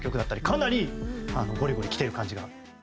かなりゴリゴリきている感じが。